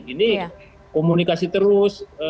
ini komunikasi terus